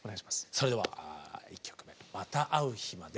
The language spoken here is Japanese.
それでは１曲目「また逢う日まで」